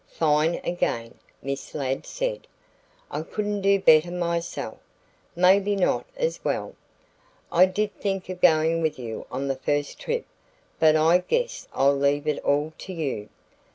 "Fine again," Miss Ladd said. "I couldn't do better myself, maybe not as well. I did think of going with you on your first trip, but I guess I'll leave it all to you.